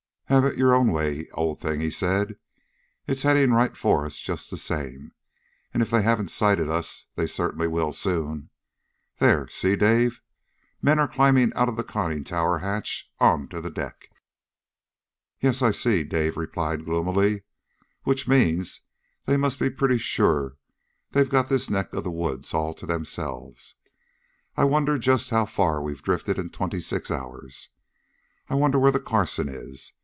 "Have it your own way, old thing," he said. "It's heading right for us just the same. And if they haven't sighted us, they certainly will soon. There! See, Dave? Men are climbing out of the conning tower hatch onto the deck!" "Yeah, I see," Dave replied gloomily. "Which means they must be pretty sure they've got this neck of the woods all to themselves. I wonder just how far we've drifted in twenty six hours? I wonder where the Carson is?